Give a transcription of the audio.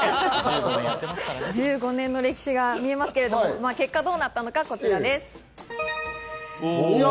１５年の歴史が見えますけれども結果どうなったのかこちらです。